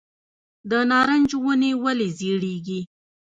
د نارنج ونې ولې ژیړیږي؟